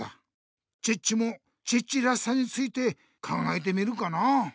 チッチもチッチらしさについて考えてみるかな。